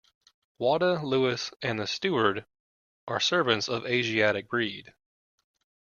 Wada, Louis, and the steward are servants of Asiatic breed.